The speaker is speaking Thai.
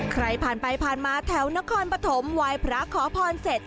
ใครผ่านไปผ่านมาแถวนครปฐมไหว้พระขอพรเสร็จ